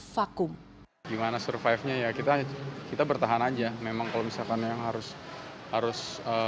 vakum gimana survive nya ya kita kita bertahan aja memang kalau misalkan yang harus harus